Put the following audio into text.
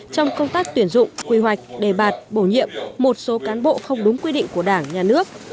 trong công tác tuyển dụng quy hoạch đề bạt bổ nhiệm một số cán bộ không đúng quy định của đảng nhà nước